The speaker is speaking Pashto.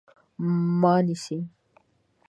_ما نيسئ؟